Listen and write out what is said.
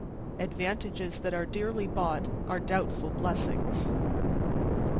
Advantages that are dearly bought are doubtful blessings.